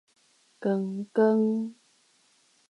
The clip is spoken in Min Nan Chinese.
光光